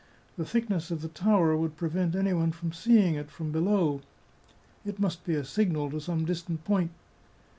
" The thickness of the tower would prevent any one from seeing it from below. It must be a signal to some distant point."